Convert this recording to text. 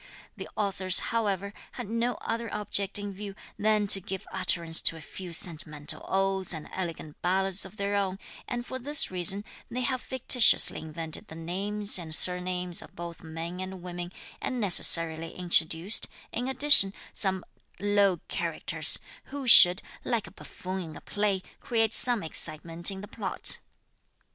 The authors, however, had no other object in view than to give utterance to a few sentimental odes and elegant ballads of their own, and for this reason they have fictitiously invented the names and surnames of both men and women, and necessarily introduced, in addition, some low characters, who should, like a buffoon in a play, create some excitement in the plot.